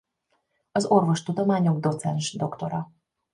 Az orvostudományok docens doktora.